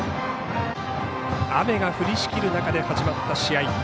雨が降りしきる中で始まった試合。